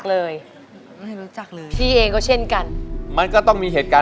กลับมาเมื่อเวลา